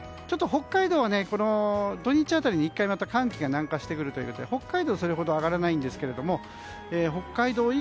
ちょっと北海道は土日辺りに１回また寒気が南下してくるということで北海道はそれほど上がらないんですが北海道